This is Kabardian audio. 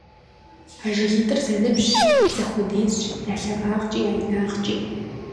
А жыгитӏыр зэныбжьщ, зэхуэдизщ я лъагагъкӀи я инагъкӀи.